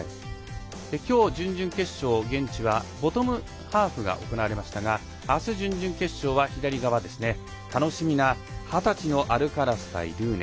今日、準々決勝で現地はボトムハーフが行われましたが明日、準々決勝は左側、楽しみな二十歳のアルカラス対ルーネ